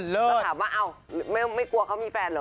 แล้วถามว่าอ้าวไม่กลัวเขามีแฟนเหรอ